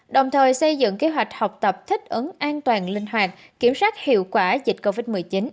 đồng thời xây dựng kế hoạch học tập thích ứng an toàn linh hoạt kiểm soát hiệu quả dịch covid một mươi chín